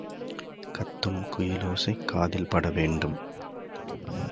கத்தும் குயிலோசை காதில்பட வேண்டும்.